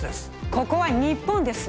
ここは日本です